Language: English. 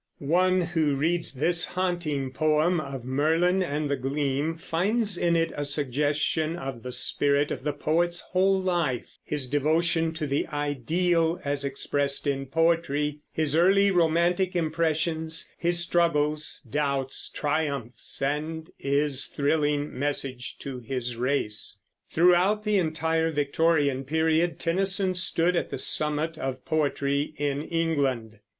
One who reads this haunting poem of "Merlin and The Gleam" finds in it a suggestion of the spirit of the poet's whole life, his devotion to the ideal as expressed in poetry, his early romantic impressions, his struggles, doubts, triumphs, and his thrilling message to his race. Throughout the entire Victorian period Tennyson stood at the summit of poetry in England.